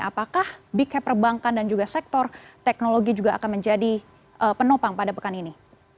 apakah big hack perbankan dan juga sektor teknologi juga akan menjadi penopang pada pekan ini